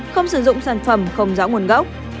không sử dụng sản phẩm không rõ nguồn gốc